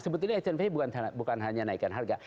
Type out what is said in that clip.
sebetulnya acnv bukan hanya naikkan harga